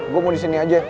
gue mau disini aja